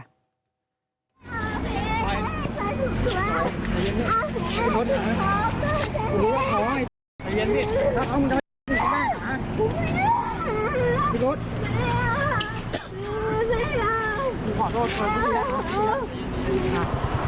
อย่าหนีอิดละ